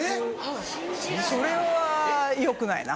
それはよくないな。